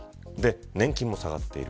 年金も下がっている。